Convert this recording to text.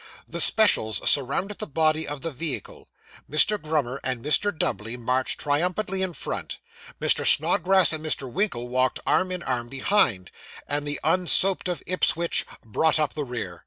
The specials surrounded the body of the vehicle; Mr. Grummer and Mr. Dubbley marched triumphantly in front; Mr. Snodgrass and Mr. Winkle walked arm in arm behind; and the unsoaped of Ipswich brought up the rear.